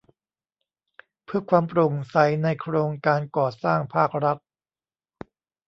เพื่อความโปร่งใสในโครงการก่อสร้างภาครัฐ